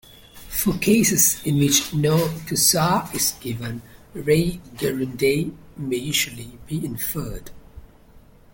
For cases in which no "causa" is given, "rei gerundae" may usually be inferred.